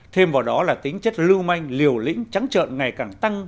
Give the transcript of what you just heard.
thêm vào đó là tính chất lưu manh liều lĩnh trắng trợn ngày càng tăng